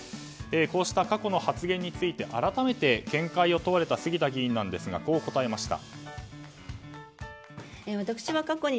こうした過去の発言について改めて見解を問われた杉田議員はこう答えました。